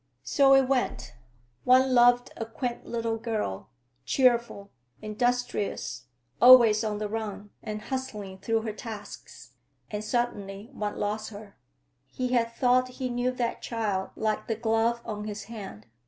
So it went; one loved a quaint little girl, cheerful, industrious, always on the run and hustling through her tasks; and suddenly one lost her. He had thought he knew that child like the glove on his hand.